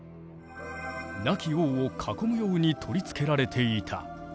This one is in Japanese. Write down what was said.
亡き王を囲むように取り付けられていた。